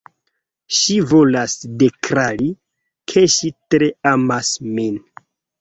Ŝi volas deklari, ke ŝi tre amas min